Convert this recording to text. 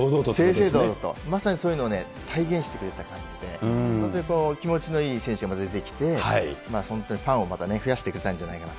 正々堂々と、まさにそういうのをね、体現してくれた感じで、本当に気持ちのいい選手も出てきて、ファンをまた増やしてくれたんじゃないかと。